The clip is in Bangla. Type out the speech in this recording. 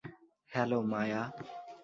হ্যালো, মায়া।